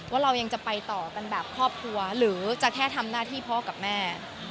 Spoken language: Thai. ว่าเรายังจะไปต่อกันแบบครอบครัวหรือจะแค่ทำหน้าที่พ่อกับแม่